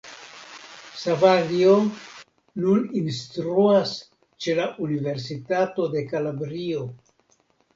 Savaglio nun instruas ĉe la Universitato de Kalabrio.